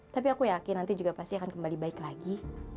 tapi aku yakin nanti juga pasti akan kembali baik lagi